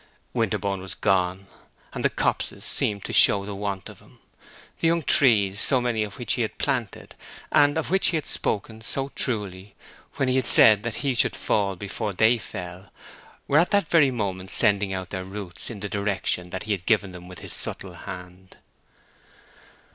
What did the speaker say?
Winterborne was gone, and the copses seemed to show the want of him; those young trees, so many of which he had planted, and of which he had spoken so truly when he said that he should fall before they fell, were at that very moment sending out their roots in the direction that he had given them with his subtle hand.